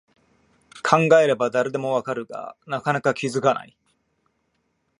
考えれば誰でもわかるが、なかなか気づかない